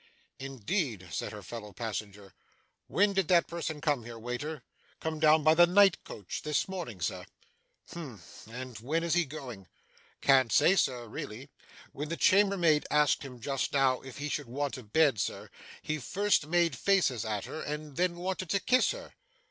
'Indeed!' said her fellow passenger. 'When did that person come here, waiter?' 'Come down by the night coach, this morning, sir.' 'Humph! And when is he going?' 'Can't say, sir, really. When the chambermaid asked him just now if he should want a bed, sir, he first made faces at her, and then wanted to kiss her.